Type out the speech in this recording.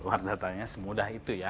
luar datanya semudah itu ya